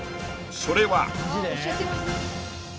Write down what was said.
それは。